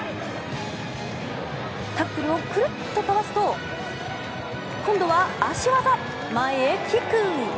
タックルをくるっとかわすと今度は足技、前へキック。